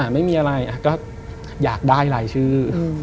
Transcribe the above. ไม่มีอะไรก็อยากได้รายชื่อ